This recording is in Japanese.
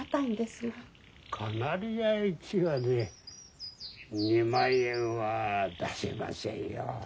カナリヤ１羽で２万円は出せませんよ。